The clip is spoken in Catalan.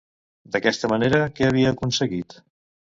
D'aquesta manera, què havia aconseguit?